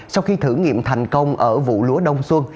sau khi thử nghiệm thành công ở vụ lúa đông xuân